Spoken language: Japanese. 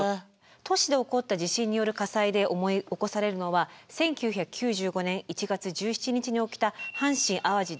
都市で起こった地震による火災で思い起こされるのは１９９５年１月１７日に起きた阪神・淡路大震災です。